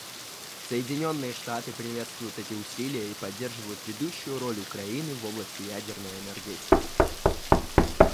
Соединенные Штаты приветствуют эти усилия и поддерживают ведущую роль Украины в области ядерной энергетики.